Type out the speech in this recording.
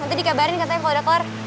nanti dikebarin katanya kalo udah keluar